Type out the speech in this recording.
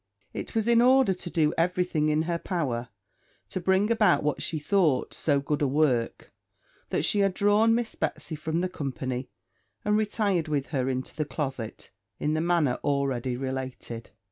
It was in order to do every thing in her power to bring about what she thought so good a work, that she had drawn Miss Betsy from the company, and retired with her into the closet, in the manner already related.